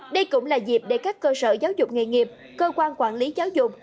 đây cũng là dịp để các cơ sở giáo dục nghề nghiệp cơ quan quản lý giáo dục